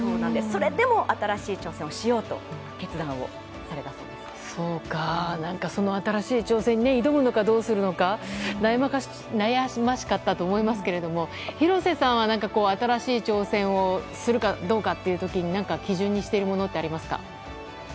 それでも新しい挑戦をしようと新しい挑戦に挑むのかどうするのか悩ましかったと思いますけれども廣瀬さんは新しい挑戦をするかどうかという時に基準にしているものってありますか。